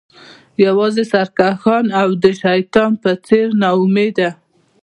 یوازې سرکښان او د شیطان په څیر ناامیده